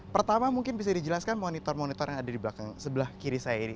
pertama mungkin bisa dijelaskan monitor monitor yang ada di belakang sebelah kiri saya ini